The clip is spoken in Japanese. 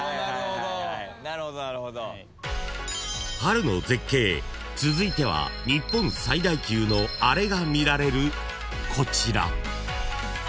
［春の絶景続いては日本最大級のあれが見られるこちら］